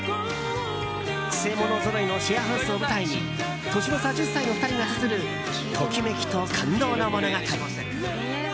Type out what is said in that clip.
曲者ぞろいのシェアハウスを舞台に年の差１０歳の２人がつづるときめきと感動の物語。